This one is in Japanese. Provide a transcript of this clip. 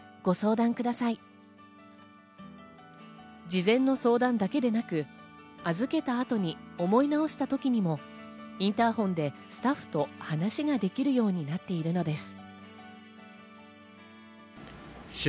事前の相談だけでなく、預けた後に思い直した時にもインターホンでスタッフと話ができるようになっているのです。